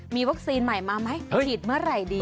มีวัคซีนใหม่มาไหมฉีดเมื่อไหร่ดี